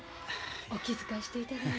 お気遣いしていただいて。